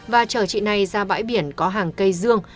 và chở chị này ra bãi biển có hàng cây dương